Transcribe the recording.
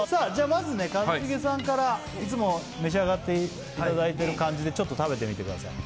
まずね一茂さんからいつも召し上がっていただいてる感じでちょっと食べてみてください